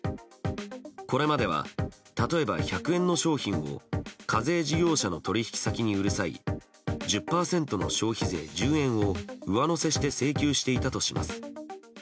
これまでは例えば１００円の商品を課税事業者の取引先に売る際１０％の消費税、１０円を上乗せして請求していたとします。